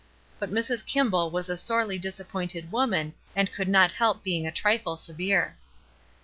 But Mrs. Kimball was a sorely disappointed woman and could not help being a trifle severe.